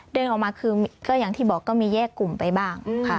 เดินออกมาคือก็อย่างที่บอกก็มีแยกกลุ่มไปบ้างค่ะ